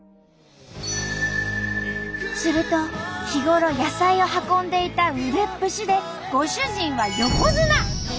すると日頃野菜を運んでいた腕っぷしでご主人は横綱！